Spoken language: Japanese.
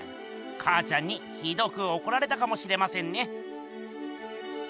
かあちゃんにひどくおこられたかもしれませんね。